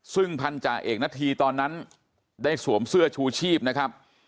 ซึ่งพันธาเอกณฑีตอนนั้นได้สวมเสื้อชูชีพนะครับ